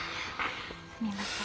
すみません。